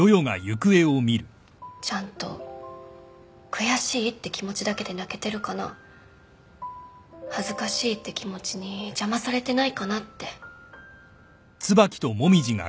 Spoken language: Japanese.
ちゃんと悔しいって気持ちだけで泣けてるかな恥ずかしいって気持ちに邪魔されてないかなって。